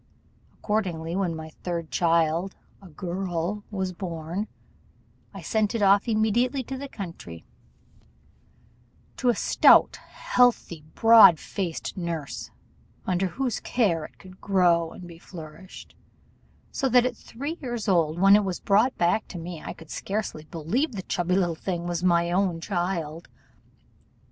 Accordingly when my third child, a girl, was born, I sent it off immediately to the country, to a stout, healthy, broad faced nurse, under whose care it grew and flourished; so that at three years old, when it was brought back to me, I could scarcely believe the chubby little thing was my own child.